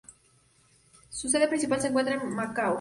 Su sede principal se encuentra en Macao.